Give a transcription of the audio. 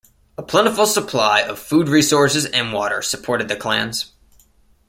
A plentiful supply of food resources and water supported the clans.